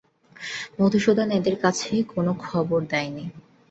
মধুসূদন এদের কাছে কোনো খবর দেয় নি।